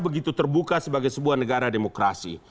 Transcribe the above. begitu terbuka sebagai sebuah negara demokrasi